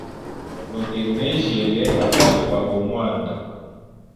No tegnejya yele a bwata bwa go mwanda.